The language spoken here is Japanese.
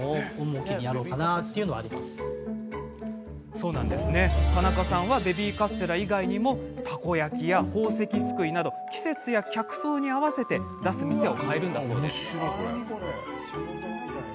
そう、田中さんはベビーカステラ以外にもたこ焼き屋や、宝石すくいなど季節や客層に合わせて出す店を変えるんだそうです。